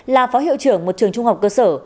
là phó hiệu trưởng một trường trung học cơ sở